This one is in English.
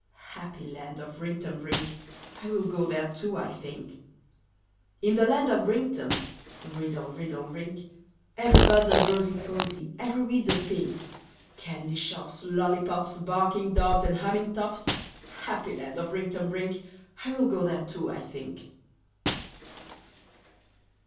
Happy land of Rinktum Rink! I will go there too, I think. In the Land of Rinktum, (Riddle, riddle, rink,) Every bud's a rosy posy, Every weed's a pink. Candy shops, lollipops, Barking dogs and humming tops, Happy land of Rinktum Rink! I will go there, too, I think.